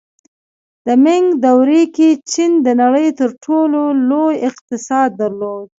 د مینګ دورې کې چین د نړۍ تر ټولو لوی اقتصاد درلود.